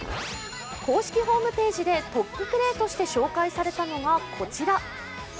公式ホームページでトッププレーとして紹介されたのがこちら。